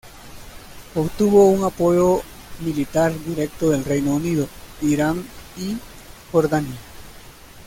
Obtuvo un apoyo militar directo del Reino Unido, Irán y Jordania.